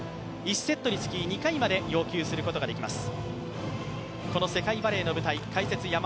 １セットにつき２回まで要求することができます。